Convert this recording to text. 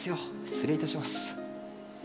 失礼いたします。